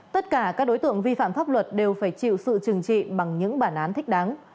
tất cả các đối tượng vi phạm pháp luật đều phải chịu sự trừng trị bằng những bản án thích đáng